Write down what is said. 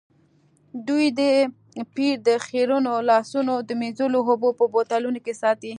دوی د پیر د خیرنو لاسونو د مینځلو اوبه په بوتلونو کې ساتي.